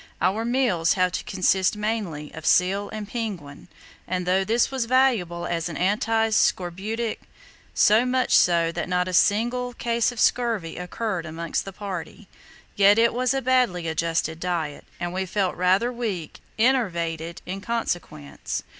Our meals had to consist mainly of seal and penguin; and though this was valuable as an anti scorbutic, so much so that not a single case of scurvy occurred amongst the party, yet it was a badly adjusted diet, and we felt rather weak and enervated in consequence.